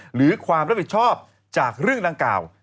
หรือความรับผิดชอบจากเรื่องดังกล่าว